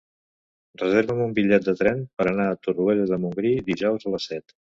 Reserva'm un bitllet de tren per anar a Torroella de Montgrí dijous a les set.